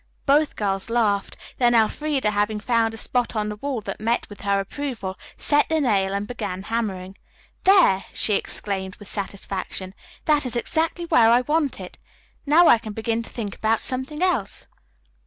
Both girls laughed, then Elfreda, having found a spot on the wall that met with her approval, set the nail and began hammering. "There!" she exclaimed with satisfaction. "That is exactly where I want it. Now I can begin to think about something else."